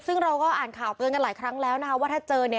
ซึ่งเราก็อ่านข่าวเตือนกันหลายครั้งแล้วนะคะว่าถ้าเจอเนี่ย